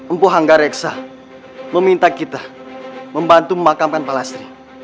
empu hangga reksa meminta kita membantu memakamkan pak lastri